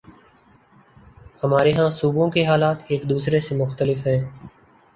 ہمارے ہاں صوبوں کے حالات ایک دوسرے سے مختلف ہیں۔